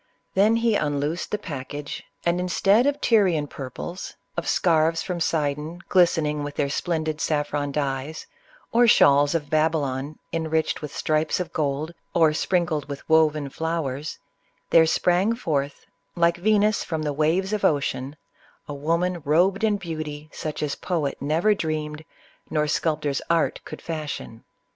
Then he unloosed the package, and instead of Tyr ian purples, of scarfs from Sidon glistening with their splendid saffron dyes, or shawls of Babylon enriched with stripes of gold or sprinkled with woven flowers, there sprang forth, like Venus from the waves of Ocean, a woman robed in beauty such as poet never dreamed, nor sculptor's art could fashion.